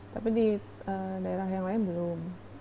tapi di daerah yang lain belum